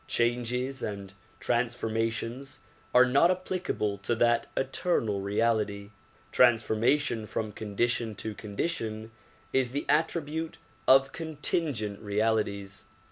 Changes and transformations are not applicable to that eternal reality. Transformation from condition to condition is the attrib ute of contingent realities.